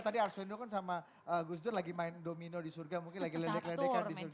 tadi arswendo kan sama gus dur lagi main domino di surga mungkin lagi ledek ledekan di surga